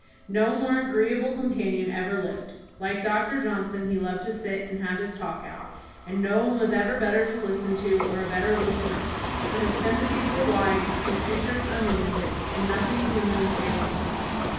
No more agreeable companion ever lived. Like Doctor Johnson, he loved to sit and have his talk out, and no one was ever better to listen to or a better listener, for his sympathies were wide, his interests unlimited, and nothing human was alien to him.